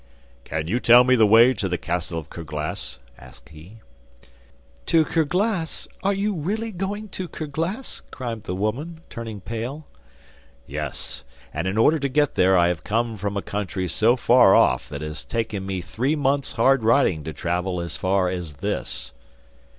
'Can you tell me the way to the castle of Kerglas?' asked he. 'To Kerglas? are you really going to Kerglas?' cried the woman, turning pale. 'Yes; and in order to get there I have come from a country so far off that it has taken me three months' hard riding to travel as far as this.